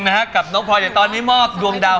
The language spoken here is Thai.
รับไปนึกดวงดาว